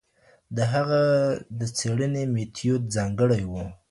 د هغه د څېړني میتود ځانګړی و.